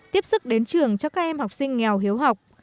tiếp sức đến trường cho các em học sinh nghèo hiếu học